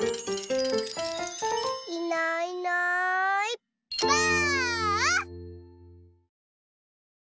いないいないばあっ！